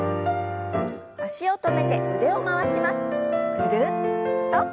ぐるっと。